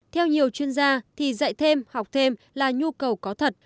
theo nhiều chuyên gia thì dạy thêm học thêm là nhu cầu có thật